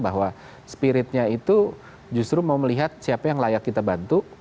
bahwa spiritnya itu justru mau melihat siapa yang layak kita bantu